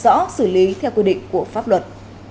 cơ quan sẽ được xử lý theo quy định của pháp luật